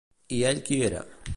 I ell qui era?